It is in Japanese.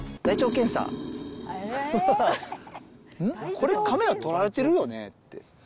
これカメラ撮られてるよねって。